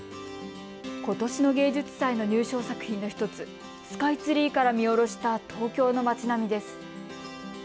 ことしの芸術祭の入賞作品の１つ、スカイツリーから見下ろした東京の町並みです。